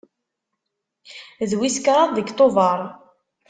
D wis kraḍ deg Tubeṛ.